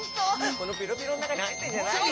このピロピロのなかにはいってんじゃないの？